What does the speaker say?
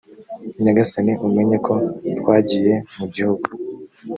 nyagasani umenye ko twagiye mu gihugu